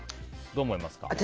どう思いますか？